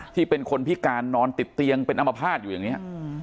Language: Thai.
ที่เป็นคนพิการนอนติดเตียงเป็นอมภาษณ์อยู่อย่างนี้